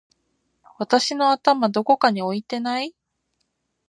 私の頭どこかに置いてない？！